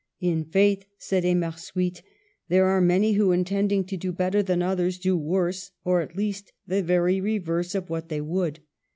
" I' faith," said Emarsuitte, " there are many who, intending to do better than others, do worse, or at least, the very reverse of what they would."